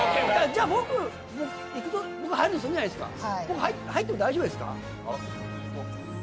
じゃあ僕入るとするじゃないですか。